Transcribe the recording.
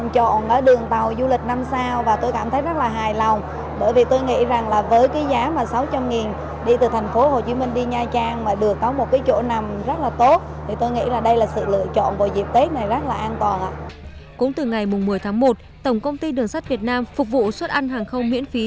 cũng từ ngày một mươi tháng một tổng công ty đường sắt việt nam phục vụ xuất ăn hàng không miễn phí